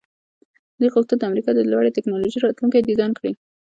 دوی غوښتل د امریکا د لوړې ټیکنالوژۍ راتلونکی ډیزاین کړي